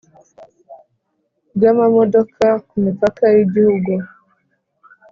bw amamodoka ku mipaka y igihugu